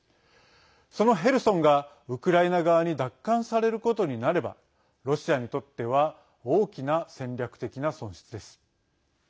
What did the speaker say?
そのヘルソンが、ウクライナ側に奪還されることになればロシアにとっては大きな戦略的な損失です。